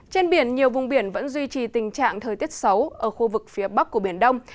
trên biển nhiều vùng biển vẫn duy trì tình trạng thời tiết xấu ở khu vực phía bắc của biển đông